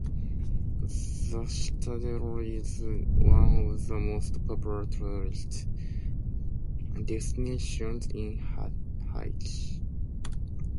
The Citadel is one of the most popular tourist destinations in Haiti.